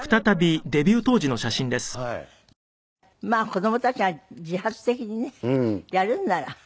子供たちが自発的にねやるんなら。